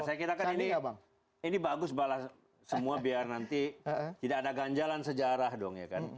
saya kira kan ini bagus balas semua biar nanti tidak ada ganjalan sejarah dong ya kan